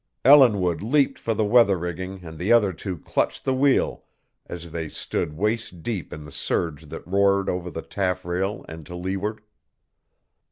Ellinwood leaped for the weather rigging and the other two clutched the wheel as they stood waist deep in the surge that roared over the taffrail and to leeward.